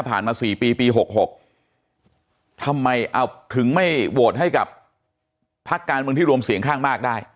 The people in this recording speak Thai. มา๔ปีปี๖๖ทำไมถึงไม่โหวตให้กับพักการเมืองที่รวมเสียงข้างมากได้